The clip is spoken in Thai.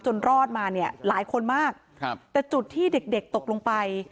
รอดมาเนี่ยหลายคนมากครับแต่จุดที่เด็กเด็กตกลงไป